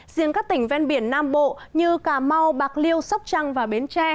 riêng các tỉnh ven biển nam bộ như cà mau bạc liêu sóc trăng và bến tre